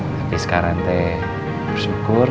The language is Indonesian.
tapi sekarang te bersyukur